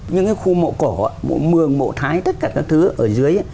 những cái khu mộ cổ mộ mường mộ thái tất cả các thứ ở dưới á